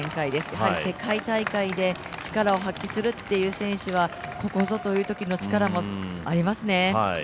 やはり世界大会で力を発揮するという選手は、ここぞというときの力もありますね。